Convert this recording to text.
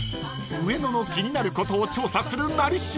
［上野の気になることを調査する「なり調」］